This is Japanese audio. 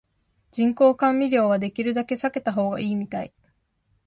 人工甘味料はできるだけ避けた方がいいみたい